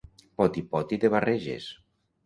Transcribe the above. Poti-poti de barreges.